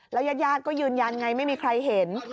ยาดก็ยืนยันไงไม่มีใครเห็น